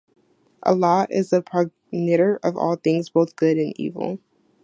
Allah is the progenitor of all things, both good and evil.